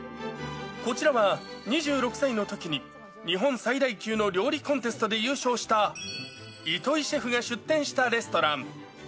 こちらは、２６歳のときに日本最大級の料理コンテストで優勝した糸井シェフが出店したレストラン。